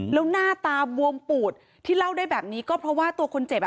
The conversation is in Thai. แล้วหน้าตาบวมปูดที่เล่าได้แบบนี้ก็เพราะว่าตัวคนเจ็บอ่ะ